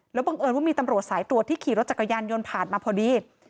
บังเอิญว่ามีตำรวจสายตรวจที่ขี่รถจักรยานยนต์ผ่านมาพอดี